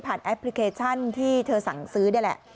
แอปพลิเคชันที่เธอสั่งซื้อนี่แหละ